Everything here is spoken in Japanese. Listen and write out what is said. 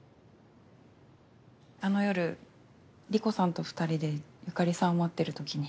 あの夜理子さんと２人で由香里さんを待ってる時に。